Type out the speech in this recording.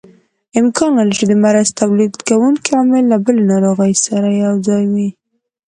امکان لري چې د مرض تولید کوونکی عامل له بلې ناروغۍ سره یوځای وي.